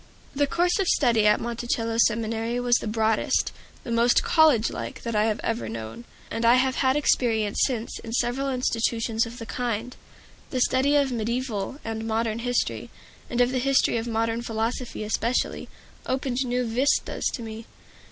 The course of study at Monticello Seminary was the broadest, the most college like, that I have ever known; and I have had experience since in several institutions of the kind. The study of mediaeval and modern history, and of the history of modern philosophy, especially, opened new vistas to me.